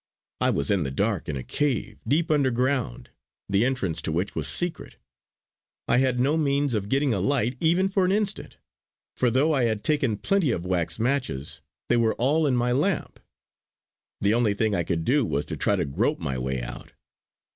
I was in the dark, in a cave, deep underground, the entrance to which was secret; I had no means of getting a light even for an instant, for though I had taken plenty of wax matches they were all in my lamp. The only thing I could do was to try to grope my way out.